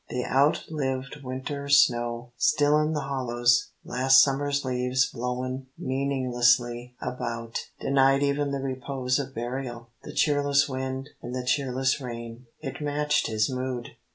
The out lived winter's snow still in the hollows, last summer's leaves blown meaninglessly about, denied even the repose of burial, the cheerless wind and the cheerless rain it matched his mood.